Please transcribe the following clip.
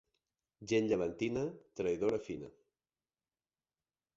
Gent llevantina, traïdora fina.